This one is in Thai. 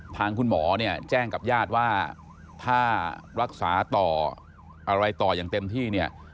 ทางคุณหมอเนี่ยแจ้งกับญาติว่าถ้ารักษาต่ออะไรต่ออย่างเต็มที่เนี่ย